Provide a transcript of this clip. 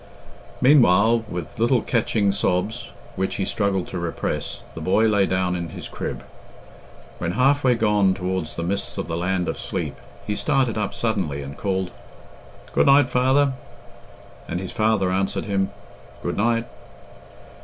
Meanwhile, with little catching sobs, which he struggled to repress, the boy lay down in his crib. When half way gone towards the mists of the land of sleep, he started up suddenly, and called "Good night, father," and his father answered him "Good night."